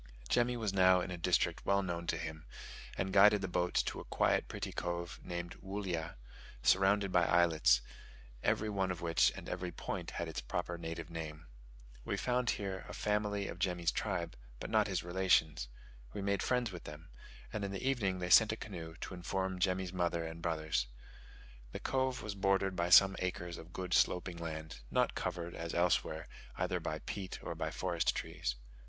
Jemmy was now in a district well known to him, and guided the boats to a quiet pretty cove named Woollya, surrounded by islets, every one of which and every point had its proper native name. We found here a family of Jemmy's tribe, but not his relations: we made friends with them; and in the evening they sent a canoe to inform Jemmy's mother and brothers. The cove was bordered by some acres of good sloping land, not covered (as elsewhere) either by peat or by forest trees.